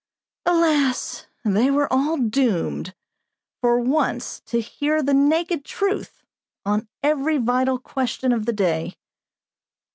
Alas! they were all doomed, for once, to hear the naked truth, on every vital question of the day.